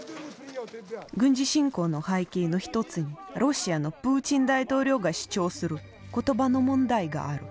軍事侵攻の背景の一つにロシアのプーチン大統領が主張する言葉の問題がある。